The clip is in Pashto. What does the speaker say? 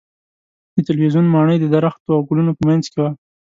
د تلویزیون ماڼۍ د درختو او ګلونو په منځ کې وه.